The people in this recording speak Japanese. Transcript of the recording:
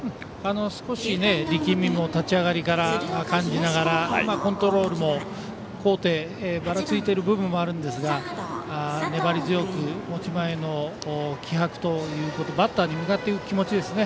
少し、力みも立ち上がりから感じながらコントロールも高低ばらついている部分もあるんですが粘り強く、持ち前の気迫というかバッターに向かっていく気持ちですね。